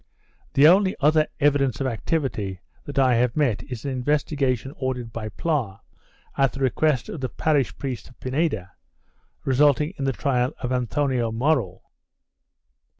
The only other evidence of activity that I have met is an investigation ordered by Pla, at the request of the parish priest of Pineda, resulting in the trial of Anthoni Morell.